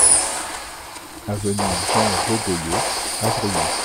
Avenue Jean Vaugoyau, Avrillé